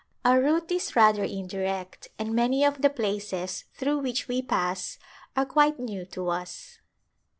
Our route is rather indirect and many of the places through which we pass are quite new to us.